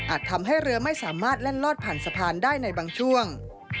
ทำให้เรือไม่สามารถแล่นลอดผ่านสะพานได้ในบางช่วง